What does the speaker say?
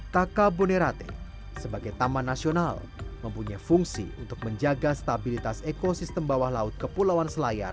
taka bonerate sebagai taman nasional mempunyai fungsi untuk menjaga stabilitas ekosistem bawah laut kepulauan selayar